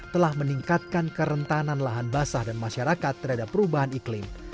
telah meningkatkan kerentanan lahan basah dan masyarakat terhadap perubahan iklim